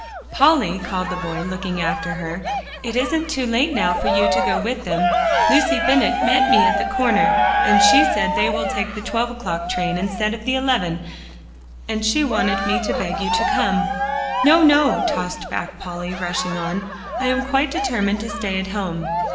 "Polly," called the boy, looking after her, "it isn't too late now for you to go with them. Lucy Bennett met me at the corner and she said they will take the twelve o'clock train, instead of the eleven, and she wanted me to beg you to come." "No, no," tossed back Polly, rushing on, "I am quite determined to stay at home."